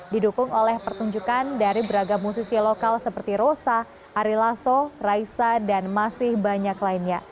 didukung oleh pertunjukan dari beragam musisi lokal seperti rosa ari lasso raisa dan masih banyak lainnya